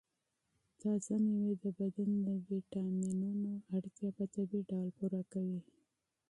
تازه مېوې د بدن د ویټامینونو اړتیا په طبیعي ډول پوره کوي.